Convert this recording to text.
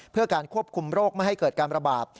เพื่อการควบคุมโรคไม่ให้เกิดการระบาด